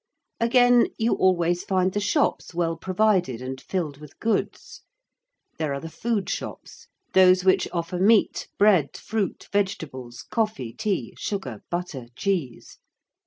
Again, you always find the shops well provided and filled with goods. There are the food shops those which offer meat, bread, fruit, vegetables, coffee, tea, sugar, butter, cheese.